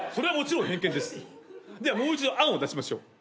ではもう一度案を出しましょう。